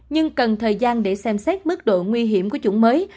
nhưng cần thời gian để xem xét mức độ nguy hiểm của chủng mới